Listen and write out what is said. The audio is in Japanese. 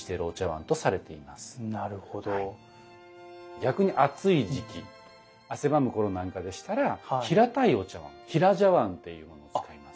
逆に暑い時期汗ばむ頃なんかでしたら平たいお茶碗平茶碗というものを使います。